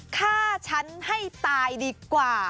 ฆ่าฉันให้ตายดีกว่า